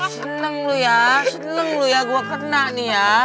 seneng loh ya seneng loh ya gue kena nih ya